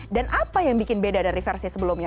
dan apa yang bikin beda dari versi sebelumnya